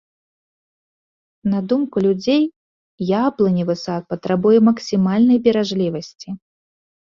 На думку людзей, яблыневы сад патрабуе максімальнай беражлівасці.